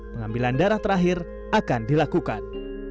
pengambilan darah terakhir akan dilakukan